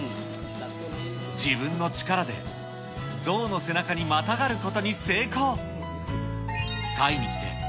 自分の力で象の背中にまたがることに成功。